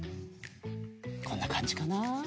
こんなかんじかな。